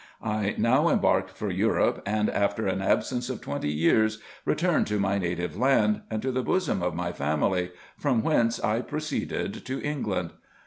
I now embarked for Europe, and after an absence of twenty years, returned to my native land, and to the bosom of my family; from whence I proceeded to England.